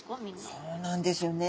そうなんですよね。